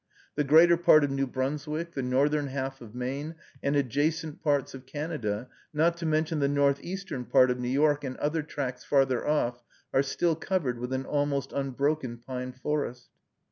The greater part of New Brunswick, the northern half of Maine, and adjacent parts of Canada, not to mention the northeastern part of New York and other tracts farther off, are still covered with an almost unbroken pine forest.